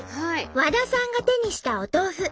和田さんが手にしたお豆腐